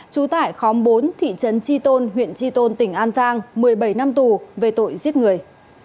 trú tại khóm bốn thị trấn tri tôn huyện tri tôn tỉnh an giang một mươi bảy năm tù về tội giết người